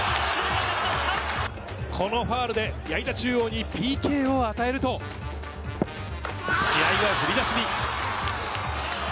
このファウルで矢板中央にＰＫを与えると、試合は振り出しに。